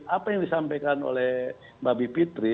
apa yang disampaikan oleh mbak bipitri